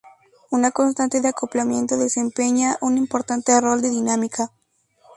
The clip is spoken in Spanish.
Una constante de acoplamiento desempeña un importante rol en dinámica.